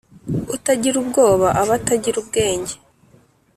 Utagira ubwoba aba atagra ubwenge.